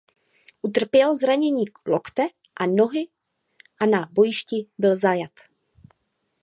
Utrpěl zranění lokte a nohy a na bojišti byl zajat.